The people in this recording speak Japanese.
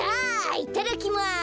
いただきます！